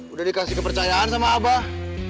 udah dikasih kepercayaan sama abah